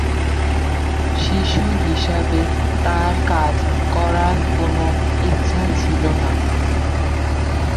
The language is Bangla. শিশু হিসাবে, তার কাজ করার কোন ইচ্ছা ছিল না।